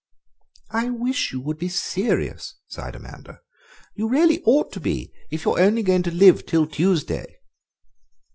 "I wish you would be serious," sighed Amanda; "you really ought to be if you're only going to live till Tuesday."